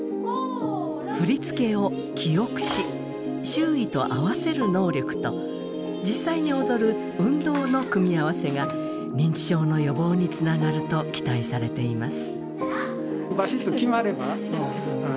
振り付けを記憶し周囲と合わせる能力と実際に踊る運動の組み合わせが認知症の予防につながると期待されています。